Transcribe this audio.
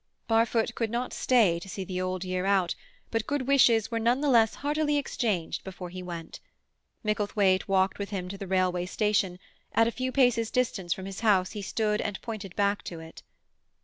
Barfoot could not stay to see the old year out, but good wishes were none the less heartily exchanged before he went. Micklethwaite walked with him to the railway station; at a few paces' distance from his house he stood and pointed back to it.